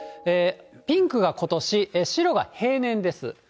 ピンクがことし、白が平年です。